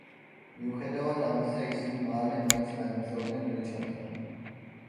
მიუხედავად ამისა ისინი მალე მაინც გაემგზავრნენ რიჩარდთან.